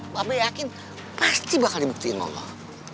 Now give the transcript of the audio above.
mbak be yakin pasti bakal dibuktiin sama allah